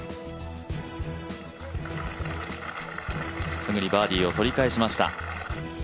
すぐにバーディーを取り返しました。